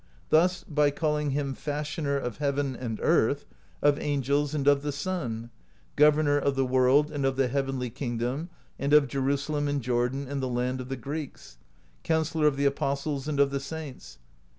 Thus: by call ing Him Fashioner of Heaven and Earth, of Angels, and of the Sun; Governor of the World and of the Heavenly Kingdom and of Jerusalem and Jordan and the Land of the Greeks; Counsellor of the Apostles and of the Saints.